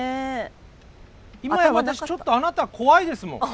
今や私ちょっとあなた怖いですもん。